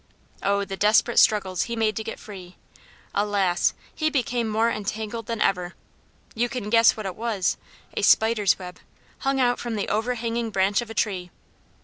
Oh, the desperate struggles he made to get free! Alas! he became more entangled than ever. You can guess what it was a spider's web, hung out from the overhanging branch of a tree.